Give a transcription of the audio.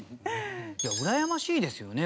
いやうらやましいですよね